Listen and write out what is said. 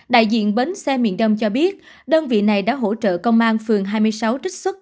đại diện bến xe miền đông cho biết đơn vị này đã hỗ trợ công an phường hai mươi sáu trích xuất